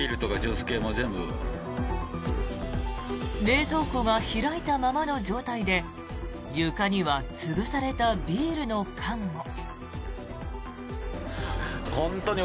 冷蔵庫が開いたままの状態で床には潰されたビールの缶も。